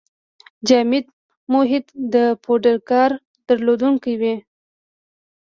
جامد محیط د پوډراګر درلودونکی وي.